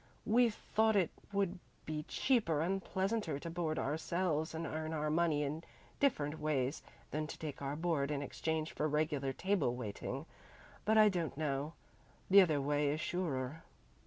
We thought it would be cheaper and pleasanter to board ourselves and earn our money in different ways than to take our board in exchange for regular table waiting; but I don't know. The other way is surer."